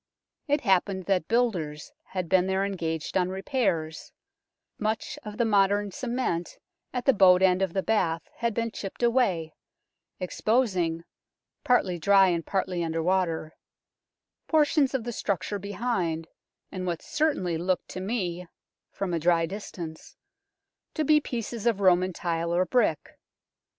It happened that builders had been there engaged on repairs ; much of the modern cement at the bowed end of the bath had been chipped away, exposing partly dry and partly under water portions of the structure behind, and what certainly looked to me (from a dry distance) to be pieces of Roman tile or brick.